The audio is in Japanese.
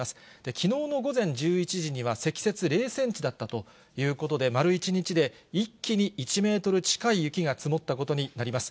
きのうの午前１１時には積雪０センチだったということで、丸１日で一気に１メートル近い雪が積もったことになります。